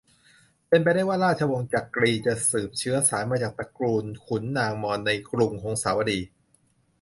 เป็นไปได้ว่า ราชวงศ์จักรีจะสืบเชื้อสายมาจากตระกูลขุนนางมอญในกรุงหงสาวดี